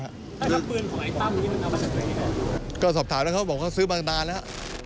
แล้วก็สอบถามแล้วเขาบอกว่าเขาซื้อมาตลาดแล้ว